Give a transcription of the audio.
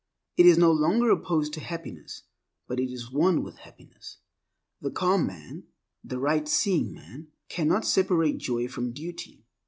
It is no longer opposed to happiness, but it is one with happiness. The calm man, the right seeing man, cannot separate joy from duty.